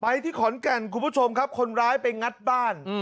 ที่ขอนแก่นคุณผู้ชมครับคนร้ายไปงัดบ้าน